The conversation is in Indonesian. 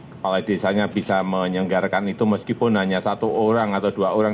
kepala desanya bisa menyenggarkan itu meskipun hanya satu orang atau dua orang